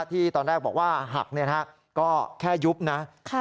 ที่ตอนแรกบอกว่าหักก็แค่ยุบนะ